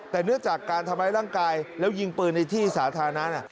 แต่เนื่องจากการทำร้ายร่างกายแล้วยิงปืนในที่สาธารณะ